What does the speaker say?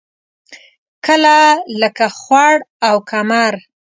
کله لکه خوړ او کمر.